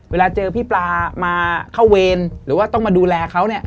เวลาเจอพี่ปลามาเข้าเวรหรือว่าต้องมาดูแลเขาเนี่ย